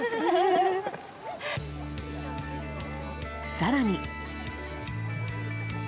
更に。